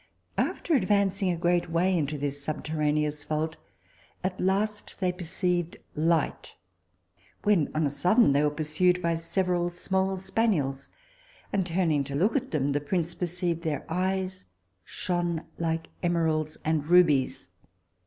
After advancing a great way into this subterraneous vault, at last they perceived light, when on a sudden they were pursued by several small spaniels, and turning to look at them, the prince perceived their eyes shone like emeralds and rubies.